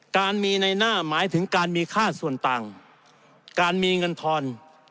การมีในหน้าหมายถึงการมีค่าส่วนต่างการมีเงินทอน